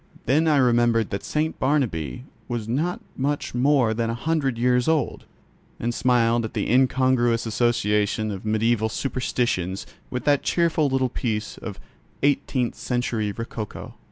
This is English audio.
Then I remembered that St. Barnabķ was not much more than a hundred years old, and smiled at the incongruous association of mediaeval superstitions with that cheerful little piece of eighteenth century rococo.